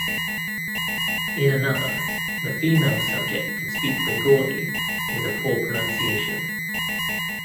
In another, the female subject could speak Bengali with a poor pronunciation.